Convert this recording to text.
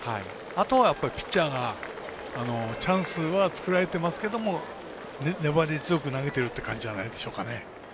あとはやっぱりピッチャーがチャンスは作られてますけど粘り強く投げているっていう感じじゃないですかね。